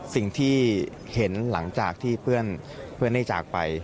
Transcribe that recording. สิ่งที่เห็นหลังจากที่เพื่อนได้จากไป